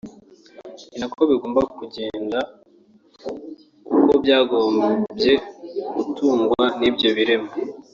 ni nako bigomba kugenda kuko byagombye gutungwa n’ibyo birema